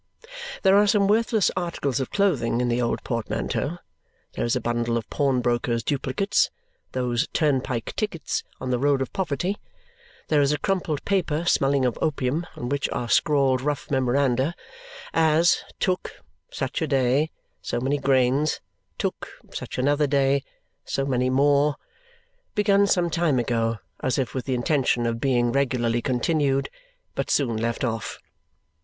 There are some worthless articles of clothing in the old portmanteau; there is a bundle of pawnbrokers' duplicates, those turnpike tickets on the road of poverty; there is a crumpled paper, smelling of opium, on which are scrawled rough memoranda as, took, such a day, so many grains; took, such another day, so many more begun some time ago, as if with the intention of being regularly continued, but soon left off.